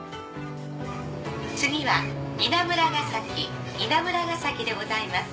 次は稲村ヶ崎稲村ヶ崎でございます。